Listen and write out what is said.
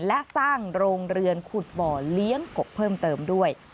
และสร้างโรงเรือนขุดบ่อเลี้ยงกบเพิ่มเติมด้วย